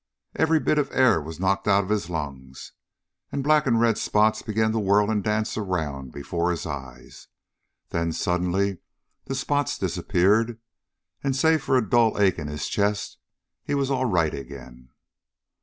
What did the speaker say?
Every bit of air was knocked out of his lungs, and black and red spots began to whirl and dance around before his eyes. Then, suddenly, the spots disappeared, and save for a dull ache in his chest he was all right again.